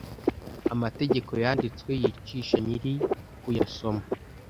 amategeko yanditswe yicisha nyiri ku ya soma